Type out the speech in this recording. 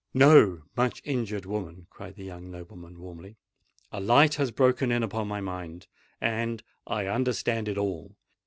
"No, much injured woman!" cried the young nobleman warmly. "A light has broken in upon my mind—and I understand it all."